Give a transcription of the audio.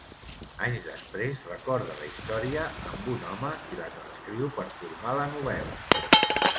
Anys després recorda la història amb un home, qui la transcriu per formar la novel·la.